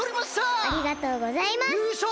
ありがとうございます！